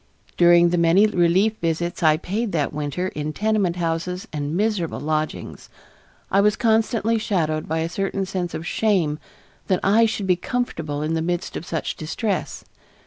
During the many relief visits I paid that winter in tenement houses and miserable lodgings, I was constantly shadowed by a certain sense of shame that I should be comfortable in the midst of such distress.